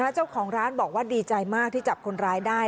เจ้าของร้านบอกว่าดีใจมากที่จับคนร้ายได้